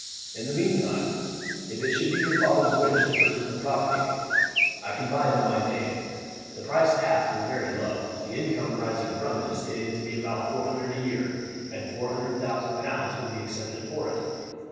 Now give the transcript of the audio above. In the meantime, if it should be your father's wish to purchase the property, I can buy it in my name. The priced asked is very low. The income arising from it is stated to be about four hundred a year, and four thousand pounds will be accepted for it.